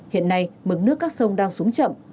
hiện nay mực nước các sông đang xuống chậm